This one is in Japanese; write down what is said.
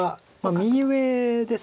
右上です。